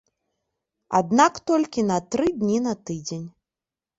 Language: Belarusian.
Аднак толькі на тры дні на тыдзень.